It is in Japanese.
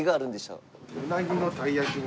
うなぎの鯛焼きが。